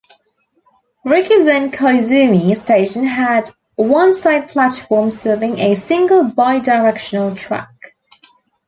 Rikuzen-Koizumi Station had one side platform serving a single bi-directional track.